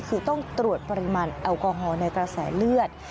คือต้องตรวจปริมาณแอลกอฮอล์ในกระแสเลือด